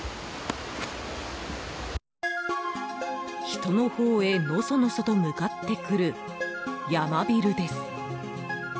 人の方へ、のそのそと向かってくるヤマビルです。